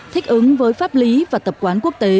thích ứng với pháp lý và tập quán quốc tế